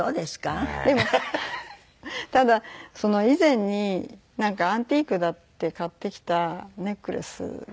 ただ以前になんかアンティークだって買ってきたネックレスが。